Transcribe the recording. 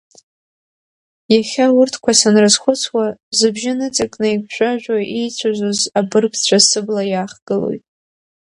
Иахьа урҭқәа санрызхәыцуа, зыбжьы ныҵакны игәжәажәо еицәажәоз абыргцәа сыбла иаахгылоит.